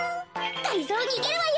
がりぞーにげるわよ。